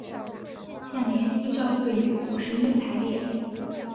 下面依照日语五十音排列。